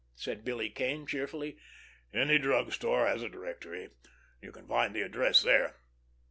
said Billy Kane cheerfully. "Any drug store has a directory. You can find the address there.